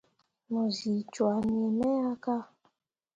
Mu zi cwah nii me ya ka.